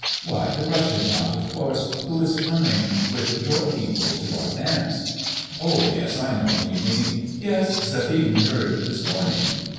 Why the Russian Count, of course, who is coming with your people to our dance.'* '^Oh, yes, I know who you mean. Yes, Zephine heard this morning."